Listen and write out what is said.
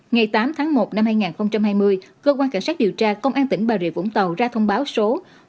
ngày tám tháng một năm hai nghìn hai mươi cơ quan cảnh sát điều tra công an tỉnh bà rịa vũng tàu ra thông báo số một trăm năm mươi chín